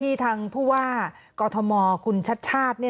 ทางผู้ว่ากอทมคุณชัดชาติ